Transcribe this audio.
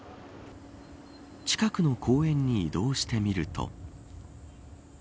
近くの公園に移動してみると。